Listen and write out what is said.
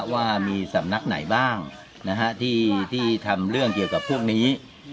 ว่ามีสำนักไหนบ้างที่ทำเรื่องเกี่ยวกับพวกนี้